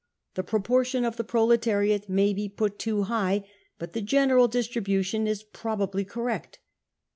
The pro portion of the proletariat may be put too high, but the general distribution is probably correct.